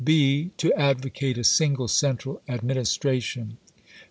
B. To advocate a single Central Administration.